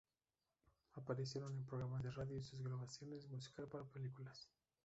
Aparecieron en programas de radio y grabaron música para películas.